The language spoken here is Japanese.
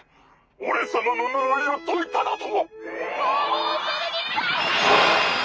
俺様の呪いを解いただと？」。